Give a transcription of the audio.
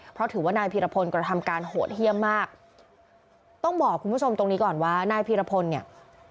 เพราะถือว่านายพีรพลกระทำการโหดเยี่ยมมากต้องบอกคุณผู้ชมตรงนี้ก่อนว่านายพีรพลเนี่ย